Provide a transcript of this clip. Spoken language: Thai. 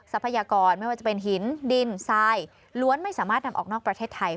ทรัพยากรไม่ว่าจะเป็นหินดินทรายล้วนไม่สามารถนำออกนอกประเทศไทย